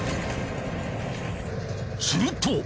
すると。